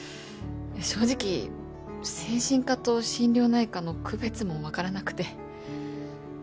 正直精神科と心療内科の区別もわからなくて。